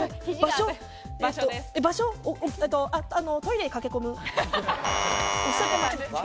トイレに駆け込む。